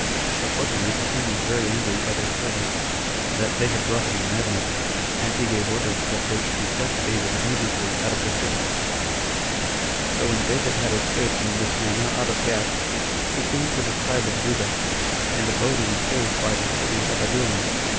Accordingly the king was very angry at his servants that they had brought him a madman, and he gave orders that they should eject David immediately [out of the city]. 3. So when David had escaped in this manner out of Gath, he came to the tribe of Judah, and abode in a cave by the city of Adullam.